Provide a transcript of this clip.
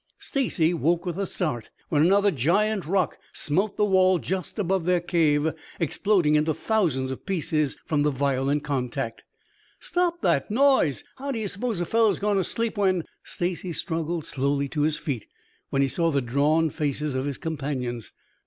Stacy woke with a start when another giant rock smote the wall just above their cave, exploding into thousands of pieces from the violent contact. "Stop that noise! How do you suppose a fellow's going to sleep when " Stacy struggled slowly to his feet when he saw the drawn faces of his companions.